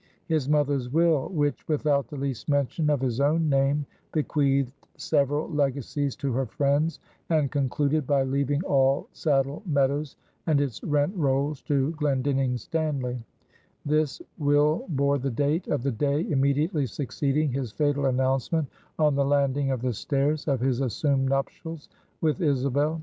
His mother's will, which without the least mention of his own name, bequeathed several legacies to her friends, and concluded by leaving all Saddle Meadows and its rent rolls to Glendinning Stanly; this will bore the date of the day immediately succeeding his fatal announcement on the landing of the stairs, of his assumed nuptials with Isabel.